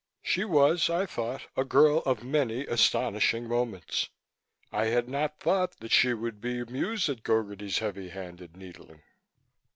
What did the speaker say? She was, I thought, a girl of many astonishing moments; I had not thought that she would be amused at Gogarty's heavy handed needling.